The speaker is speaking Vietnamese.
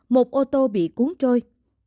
một ô tô bị cuốn trôi